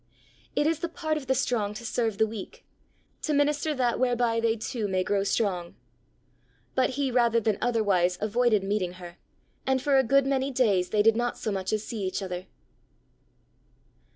It is the part of the strong to serve the weak, to minister that whereby they too may grow strong. But he rather than otherwise avoided meeting her, and for a good many days they did not so much as see each other.